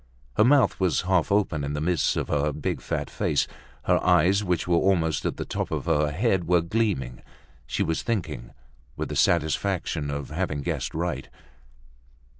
Her mouth was half open in the midst of her big, fat face; her eyes, which were almost at the top of her head, were gleaming. She was thinking, with the satisfaction of having guessed right.